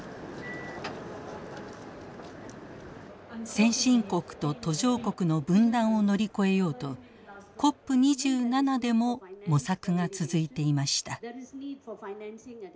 先進国と途上国の分断を乗り越えようとＣＯＰ２７でも模索が続いていました。